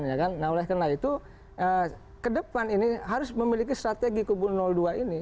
nah oleh karena itu ke depan ini harus memiliki strategi kubu dua ini